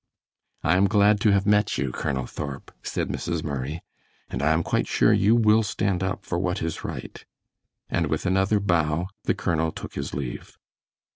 "I am glad to have met you, Colonel Thorp," said Mrs. Murray, "and I am quite sure you will stand up for what is right," and with another bow the colonel took his leave.